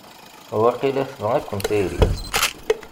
Waqila tenɣa-ken tayri!